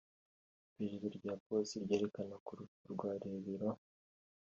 Iperereza rya Polisi ryerekana ko urupfu rwa Rebero